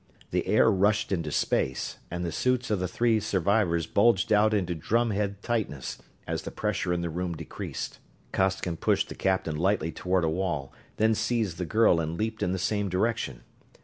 The air rushed into space, and the suits of the three survivors bulged out into drumhead tightness as the pressure in the room decreased. Costigan pushed the captain lightly toward a wall, then seized the girl and leaped in the same direction.